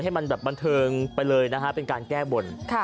ให้มันบันเทิงไปเลยเป็นการแก้บ่น